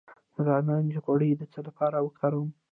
د نارنج غوړي د څه لپاره وکاروم؟